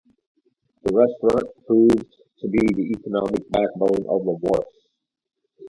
The restaurant proved to be the economic backbone of the wharf.